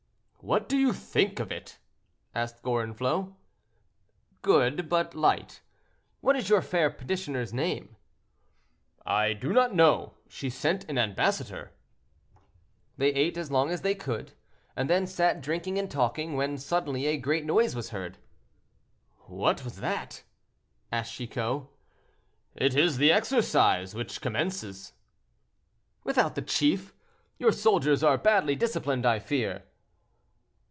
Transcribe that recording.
"What do you think of it?" asked Gorenflot. "Good, but light. What is your fair petitioner's name?" "I do not know; she sent an ambassador." They ate as long as they could, and then sat drinking and talking, when suddenly a great noise was heard. "What is that?" asked Chicot. "It is the exercise which commences." "Without the chief? Your soldiers are badly disciplined, I fear."